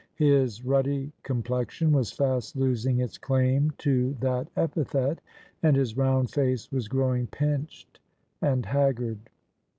His ruddy complexion was fast losing its claim to that epithet; and his round face was growing pinched and haggard.